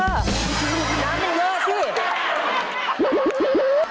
น้ำไม่เยอะสิ